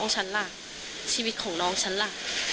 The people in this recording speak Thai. ชีวิตของน้องของฉันล่ะ